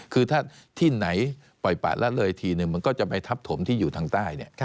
คือถ้าที่ไหนปล่อยปะละเลยทีนึงมันก็จะไปทับถมที่อยู่ทางใต้